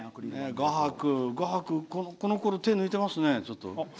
画伯、このころ手抜いてますね。